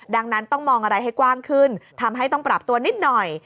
ดังนั้นต้องมองอะไรให้กว้างขึ้นทำให้ต้องปรับตัวนิดหน่อย